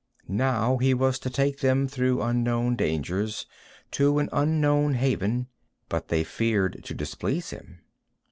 Now he was to take them through unknown dangers to an unknown haven, but they feared to displease him.